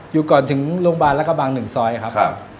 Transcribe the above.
อยู่ก่อนถึงโรงพยาบาลรัฐบัง๑ซอยครับ